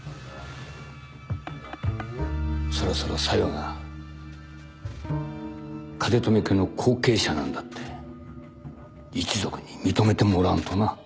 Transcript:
そろそろ小夜が風富家の後継者なんだって一族に認めてもらわんとな